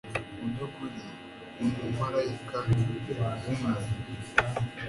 mubyukuri umumarayika wubuntu